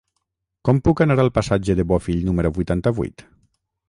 Com puc anar al passatge de Bofill número vuitanta-vuit?